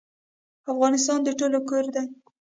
افغانستان د ټولو کور دی